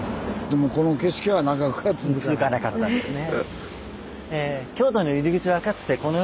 続かなかったんですね。